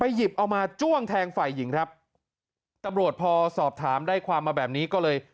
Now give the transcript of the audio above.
หยิบเอามาจ้วงแทงฝ่ายหญิงครับตำรวจพอสอบถามได้ความมาแบบนี้ก็เลย